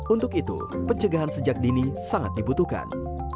untuk itu pencegahan sejak dini sangat dibutuhkan